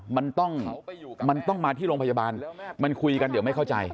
มันต้องมันต้องมาที่โรงพยาบาลมันคุยกันเดี๋ยวไม่เข้าใจ